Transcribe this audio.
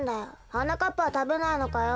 はなかっぱはたべないのかよ。